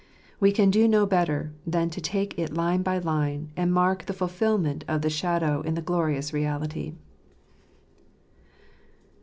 We can do no better than take it line by line, and mark the fulfilment of the shadow in the glorious reality.